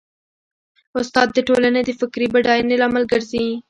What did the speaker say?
استاد د ټولنې د فکري بډاینې لامل ګرځي.